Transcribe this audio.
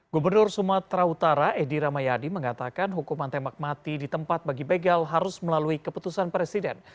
gubernur sumatera utara edi ramayadi mengatakan hukuman tembak mati di tempat bagi begal harus melalui keputusan presiden